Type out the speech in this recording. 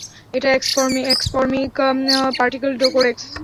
এটা এক্সমরফিক particle codex!